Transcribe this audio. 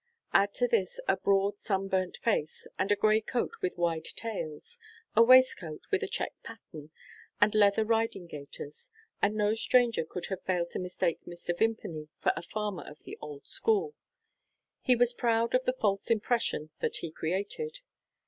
Add to this a broad sunburnt face, and a grey coat with wide tails, a waistcoat with a check pattern, and leather riding gaiters and no stranger could have failed to mistake Mr. Vimpany for a farmer of the old school. He was proud of the false impression that he created.